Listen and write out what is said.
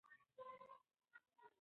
ملا بانګ په خپله کوټه کې ناست دی.